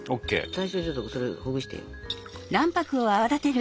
最初はちょっとそれほぐしてよ。